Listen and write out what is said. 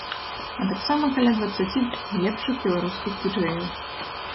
А таксама каля дваццаці лепшых беларускіх ды-джэяў.